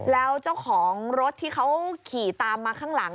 แล้วเจ้าของรถที่เขาขี่ตามมาข้างหลัง